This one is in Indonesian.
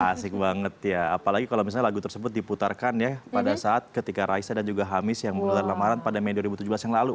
asik banget ya apalagi kalau misalnya lagu tersebut diputarkan ya pada saat ketika raisa dan juga hamis yang memutar lamaran pada mei dua ribu tujuh belas yang lalu